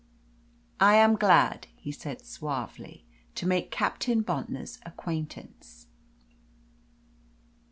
"I am glad," he said suavely, "to make Captain Bontnor's acquaintance."